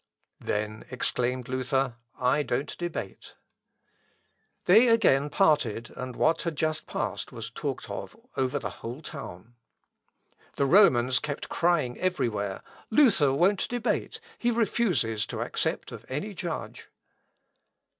"Then," exclaimed Luther, "I don't debate." I. Op. (L. xvii, p. 245.) They again parted, and what had just passed was talked of over the whole town. The Romans kept crying every where, "Luther won't debate he refuses to accept of any judge!"